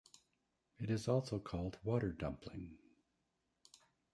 It is also called "water dumpling".